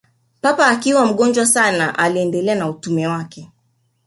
Papa akiwa mgonjwa sana aliendelea na utume wake